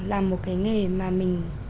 làm một cái nghề mà mình